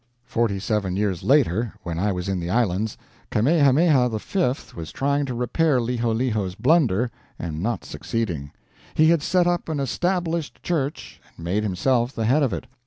Forty seven years later, when I was in the islands, Kamehameha V. was trying to repair Liholiho's blunder, and not succeeding. He had set up an Established Church and made himself the head of it.